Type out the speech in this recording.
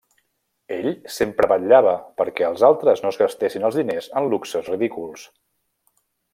Ell sempre vetllava perquè els altres no es gastessin els diners en luxes ridículs.